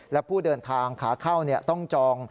และผู้เดินทางขาเข้าต้องจอง